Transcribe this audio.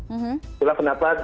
itulah kenapa iucn di dua